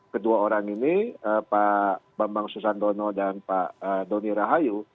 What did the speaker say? kedua orang ini pak bambang susantono dan pak doni rahayu